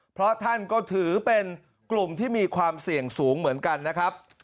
เพราะท่านก็ถือเป็นกลุ่มที่มีความเสี่ยงสูงเหมือนกันนะครับ